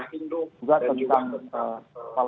proses ekorita ikn rencana induk